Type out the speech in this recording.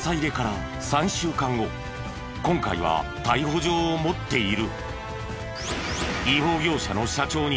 今回は逮捕状を持っている。